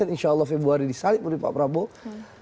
insya allah februari disalib oleh pak prabowo